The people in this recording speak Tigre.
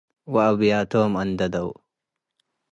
ወአብያቶም አንደደው።